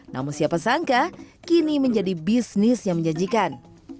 namun siapa sangka kini menjadi bisnis yang menjanjikan